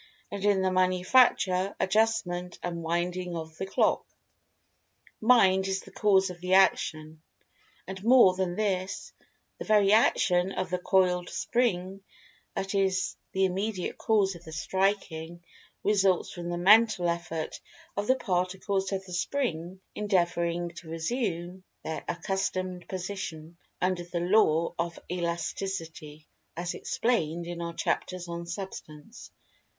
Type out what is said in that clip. And in the manufacture, adjustment, and winding of the clock, Mind is the Cause of the Action. And, more than this, the very action of the coiled spring that is the immediate[Pg 216] cause of the striking, results from the mental effort of the Particles of the spring endeavoring to resume their accustomed position, under the law of Elasticity, as explained in our chapters on Substance.